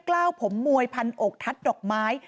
กล้าวผมมวยพันอกทัดดอกไม้